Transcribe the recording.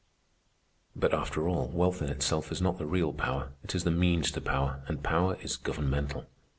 "But after all, wealth in itself is not the real power; it is the means to power, and power is governmental.